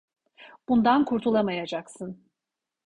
Bundan kurtulamayacaksın.